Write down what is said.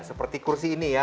seperti kursi ini ya